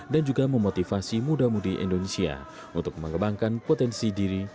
dan juga memotivasi muda mudi indonesia untuk mengembangkan potensi diri